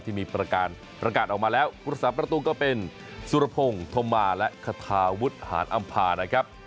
ที่มีประกาศประกาศออกมาแล้วภูมิศาสตร์ประตูก็เป็นสุรพงศ์ธมมาศ์และคทาวุทธ์หานอำภานะครับ